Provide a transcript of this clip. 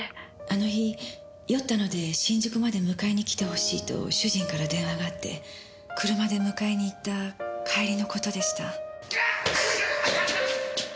あの日酔ったので新宿まで迎えに来てほしいと主人から電話があって車で迎えに行った帰りの事でした。